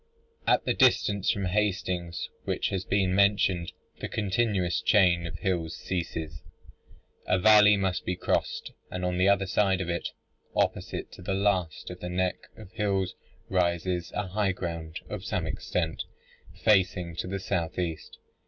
At the distance from Hastings which has been mentioned, the continuous chain of hills ceases. A valley must be crossed, and on the other side of it, opposite to the last of the neck of hills, rises a high ground of some extent, facing to the south east.